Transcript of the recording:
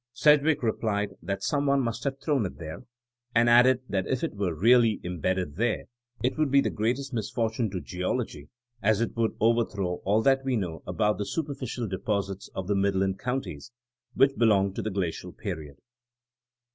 Sedgwick replied that some one must have thrown it there, and added that if it were *^ really imbedded there, it would be the greatest misfortune to geology, as it would overthrow all that we know about the super ficial deposits of the Midland Counties '*— which belonged to the glacial period.